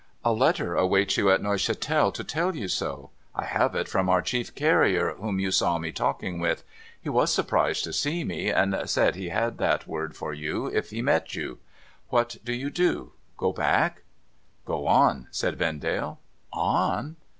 A letter awaits you at Neuchatel to tell you so. I have it from our chief carrier whom you saw me talking with. He was surprised to see me, and said he had that word for you if he met you. What do you do ? Go back ?'' Go on,' said Vendale. 'On?'